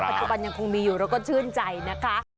ปัจจุบันยังคงมีอยู่แล้วก็ชื่นใจนะคะ